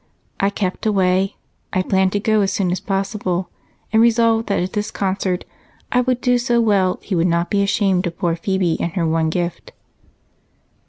I kept away. I planned to go as soon as possible and resolved that at this concert I would do so well, he should not be ashamed of poor Phebe and her one gift."